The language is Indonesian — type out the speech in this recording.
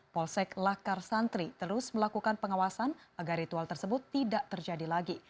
polsek lakar santri terus melakukan pengawasan agar ritual tersebut tidak terjadi lagi